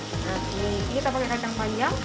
oke ini kita pakai kacang panjang